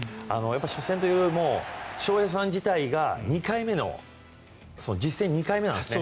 初戦というより翔平さん自体が実戦２回目なんですね。